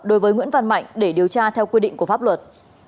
đối với nguyễn văn mạnh để điều tra theo quy định của pháp luật